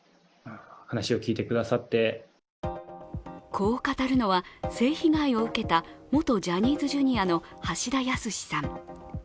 こう語るのは、性被害を受けた元ジャニーズＪｒ．の橋田康さん。